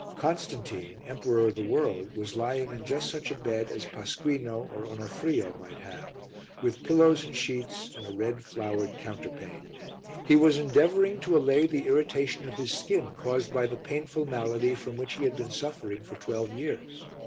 Constantine, Emperor of the World, was lying in just such a bed as Pasquino or Onofrio might have, with pillows and sheets and a red flowered counterpane. He was endeavouring to allay the irritation of his skin caused by the painful malady from which he had been suffering for twelve years.